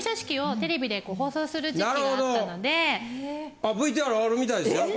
あＶＴＲあるみたいですよ。